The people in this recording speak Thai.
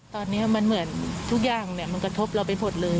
ตอนนี้มันเหมือนทุกอย่างมันกระทบเราไปหมดเลย